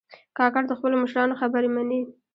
کاکړ د خپلو مشرانو خبرې منې.